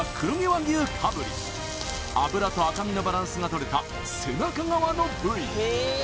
脂と赤身のバランスがとれた背中側の部位